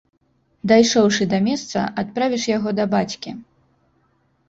Дайшоўшы да месца, адправіш яго да бацькі.